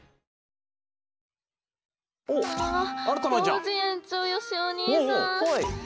コージ園長よしお兄さん。